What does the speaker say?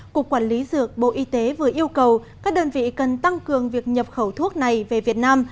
cục quản lý dược bộ y tế vừa yêu cầu các đơn vị cần tăng cường việc nhập khẩu thuốc này về việt nam